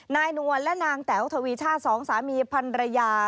นวลและนางแต๋วทวีชาติสองสามีพันรยา